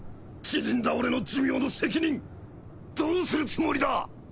縮んだ俺の寿命の責任どうするつもりだ！？